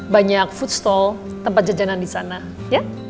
banyak food stall tempat jajanan di sana ya